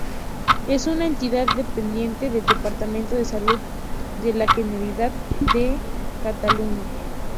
Es una entidad dependiente del Departamento de Salud de la Generalidad de Cataluña.